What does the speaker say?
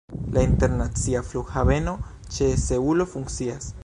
La internacia flughaveno ĉe Seulo funkcias.